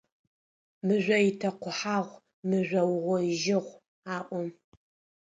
«Мыжъо итэкъухьагъу, мыжъо угъоижьыгъу…»,- аӏо.